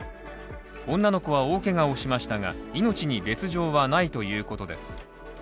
女の子は大けがをしましたが命に別条はないということです。